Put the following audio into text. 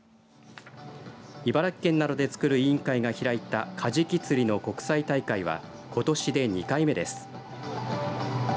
茨城県などでつくる委員会が開いたカジキ釣りの国際大会はことしで２回目です。